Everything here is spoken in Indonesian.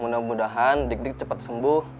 mudah mudahan dik dik cepat sembuh